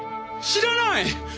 知らない！